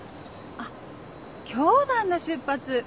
あっ今日なんだ出発。